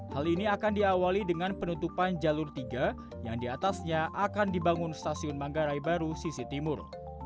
hal ini akan diawali dengan penutupan jalur tiga yang diatasnya akan dibangun stasiun manggarai baru sisi timur